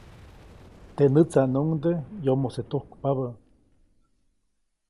Teʼ nätsaʼnuŋde yomose tujkpabä.